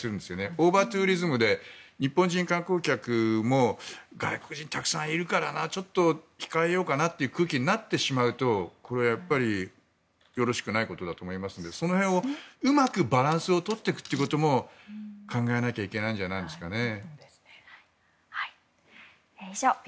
オーバーツーリズムで日本人観光客も外国人がたくさんいるからなちょっと控えようかなという空気になってしまうとこれはやっぱりよろしくないことだと思いますのでその辺をうまくバランスを取っていくということも考えなきゃいけないんじゃないですかね。